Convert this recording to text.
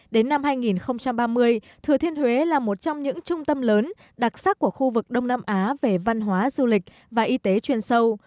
đến năm hai nghìn ba mươi thừa thiên huế là một trong những trung tâm lớn đặc sắc của khu vực đông nam á về văn hóa du lịch và y tế chuyên sâu